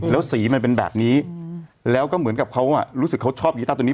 แล้วสีมันเป็นแบบนี้แล้วก็เหมือนกับเขารู้สึกเขาชอบกีต้าตัวนี้